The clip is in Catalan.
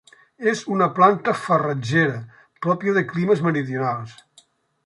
És una planta farratgera pròpia de climes meridionals.